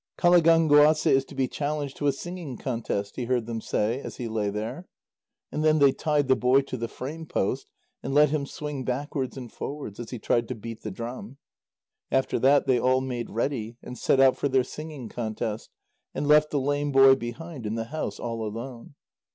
"Qalagánguasê is to be challenged to a singing contest," he heard them say, as he lay there. And then they tied the boy to the frame post and let him swing backwards and forwards, as he tried to beat the drum. After that, they all made ready, and set out for their singing contest, and left the lame boy behind in the house all alone.